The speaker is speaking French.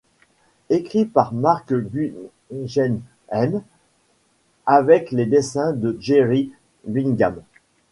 Écrit par Marc Guggenheim avec les dessins de Jerry Bingham.